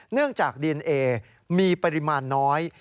เนื่องจากดีเอนเอมีปริมาณน้อย